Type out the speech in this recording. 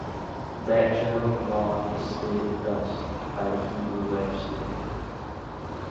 That general law is stated thus by the Hebrew legislator.